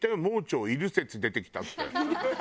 盲腸いる説出てきたって。